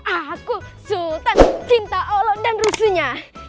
aku sultan cinta allah dan rusuhnya